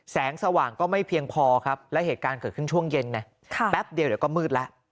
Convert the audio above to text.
แสงสว่างก็ไม่เพียงพอครับแล้วเหตุการณ์เกิดขึ้นช่วงเย็นไงแป๊บเดียวเดี๋ยวก็มืดแล้ว